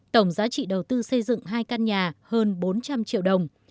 tổng giá trị đầu tư xây dựng hai căn nhà hơn bốn trăm linh triệu đồng